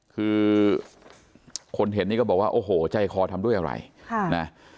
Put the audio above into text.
คือคนเห็นนี่ก็บอกว่าโอ้โหใจคอทำด้วยอะไรนะ